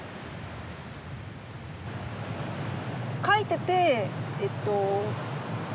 描いててえっと